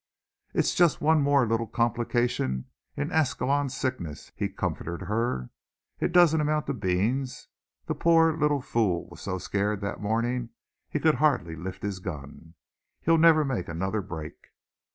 "It's just one more little complication in Ascalon's sickness," he comforted her, "it doesn't amount to beans. The poor little fool was so scared that morning he could hardly lift his gun. He'll never make another break."